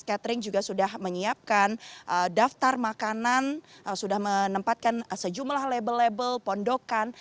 catering juga sudah menyiapkan daftar makanan sudah menempatkan sejumlah label label pondokan